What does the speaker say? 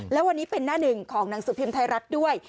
แล้ววันนี้เป็นหน้าหนึ่งของหนังสือพิมพ์ไทยรัฐด้วย